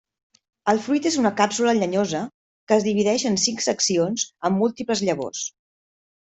El fruit és una càpsula llenyosa que es divideix en cinc seccions amb múltiples llavors.